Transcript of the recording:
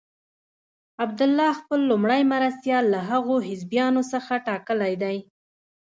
عبدالله خپل لومړی مرستیال له هغو حزبیانو څخه ټاکلی دی.